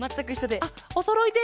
あっおそろいで。